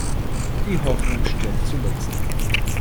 Die Hoffnung stirbt zuletzt.